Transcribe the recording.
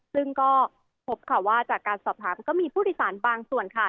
ซึ่งก็พบค่ะว่าจากการสอบถามก็มีผู้โดยสารบางส่วนค่ะ